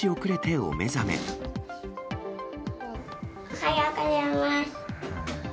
おはようございます。